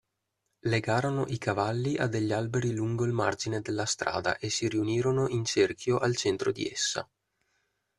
Legarono i cavalli a degli alberi lungo il margine della strada e si riunirono in cerchio al centro di essa.